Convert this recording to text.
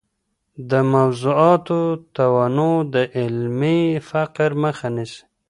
د موضوعاتو تنوع د علمي فقر مخه نيسي.